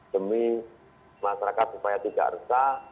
demi masyarakat supaya tidak resah